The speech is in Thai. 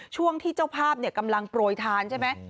ช่วงที่เจ้าภาพกำลังโปรยทานใช่ไหม